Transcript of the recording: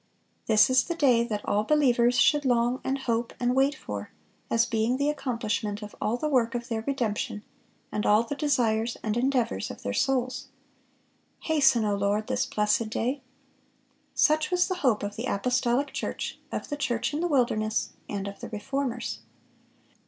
(475) "This is the day that all believers should long, and hope, and wait for, as being the accomplishment of all the work of their redemption, and all the desires and endeavors of their souls." "Hasten, O Lord, this blessed day!"(476) Such was the hope of the apostolic church, of the "church in the wilderness," and of the Reformers.